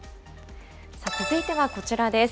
続いてはこちらです。